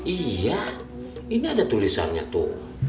iya ini ada tulisannya tuh